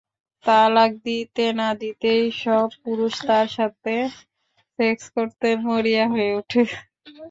তালাক দিতে না দিতেই, সব পুরুষ তার সাথে সেক্স করতে মরিয়া হয়ে ওঠে।